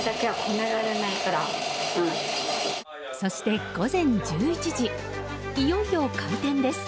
そして午前１１時いよいよ開店です。